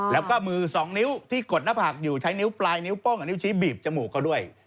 แล้วก็มือสองนิ้วที่กดหน้าผากอยู่ใช้นิ้วปลายนิ้วโป้งกับนิ้วชี้บีบจมูกเขาด้วย